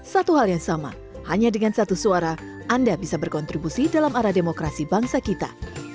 satu hal yang sama hanya dengan satu suara anda bisa berkontribusi dalam arah demokrasi bangsa kita